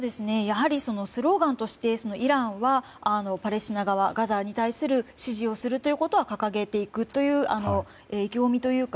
スローガンとしてイランはパレスチナ側ガザに対する支持をすることは掲げていくという意気込みというか